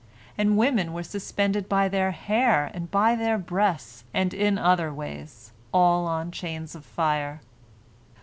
And women were suspended by their hair and by their breasts, and in other ways, all on chains of fire.